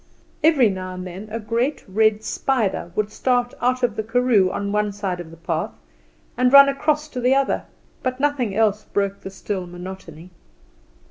Every now and then a great red spider would start out of the karoo on one side of the path and run across to the other, but nothing else broke the still monotony.